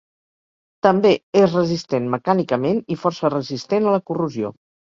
També és resistent mecànicament i força resistent a la corrosió.